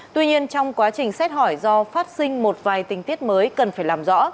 tuy nhiên trong quá trình xét hỏi do phát sinh một vài tình tiết mới cần phải làm rõ